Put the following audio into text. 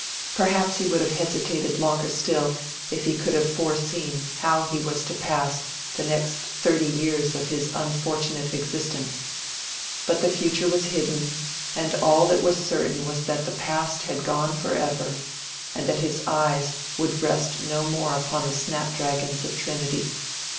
Perhaps he would have hesitated longer still, if he could have foreseen how he was to pass the next thirty years of his unfortunate existence; but the future was hidden, and all that was certain was that the past had gone forever, and that his eyes would rest no more upon the snapdragons of Trinity.